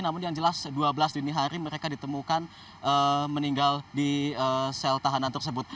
namun yang jelas dua belas dini hari mereka ditemukan meninggal di sel tahanan tersebut